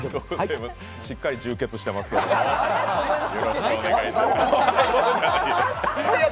しっかり充血していますけど、よろしくお願いします。